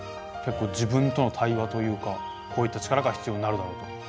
けっこう自分との対話というかこういったチカラが必要になるだろうと。